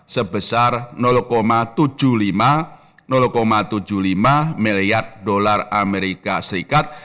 sebesar tujuh puluh lima miliar dolar amerika serikat